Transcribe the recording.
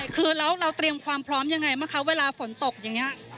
คือเราเตรียมความพร้อมอย่างไรมั้ยคะเวลาฝนตกอย่างนี้